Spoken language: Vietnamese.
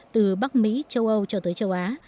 từ bắc mỹ châu âu cho tới châu á